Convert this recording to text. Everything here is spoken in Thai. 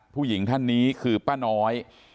ผู้หญิงท่านนี้คือป้าน้อย